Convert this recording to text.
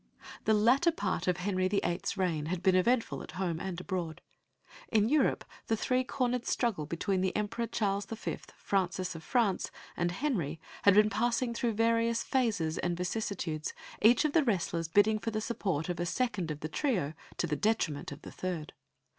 The latter part of Henry VIII.'s reign had been eventful at home and abroad. In Europe the three cornered struggle between the Emperor Charles V., Francis of France, and Henry had been passing through various phases and vicissitudes, each of the wrestlers bidding for the support of a second of the trio, to the detriment of the third.